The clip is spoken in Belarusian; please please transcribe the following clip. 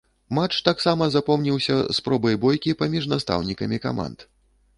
Матч таксама запомніўся спробай бойкі паміж настаўнікамі каманд.